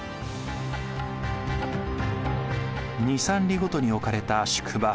２３里ごとに置かれた宿場。